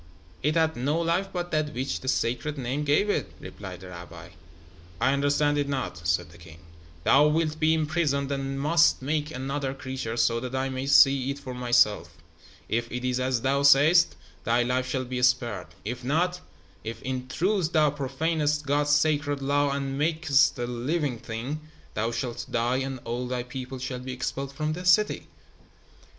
"It had no life but that which the Sacred Name gave it," replied the rabbi. "I understand it not," said the king. "Thou wilt be imprisoned and must make another creature, so that I may see it for myself. If it is as thou sayest, thy life shall be spared. If not if, in truth, thou profanest God's sacred law and makest a living thing, thou shalt die and all thy people shall be expelled from this city."